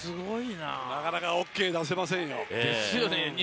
なかなかＯＫ出せませんよ。